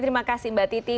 terima kasih mbak titi